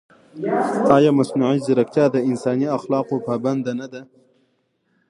ایا مصنوعي ځیرکتیا د انساني اخلاقو پابنده نه ده؟